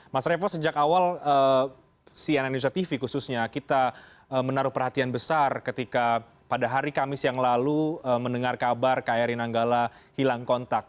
mas revo sejak awal cnn indonesia tv khususnya kita menaruh perhatian besar ketika pada hari kamis yang lalu mendengar kabar kri nanggala hilang kontak